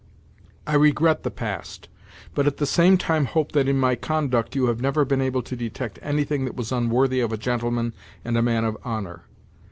I regret the past, but at the same time hope that in my conduct you have never been able to detect anything that was unworthy of a gentleman and a man of honour.